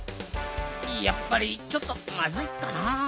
やっぱりちょっとまずいかな。